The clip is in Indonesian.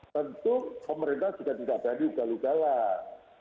tentu pemerintah juga tidak berani udahlah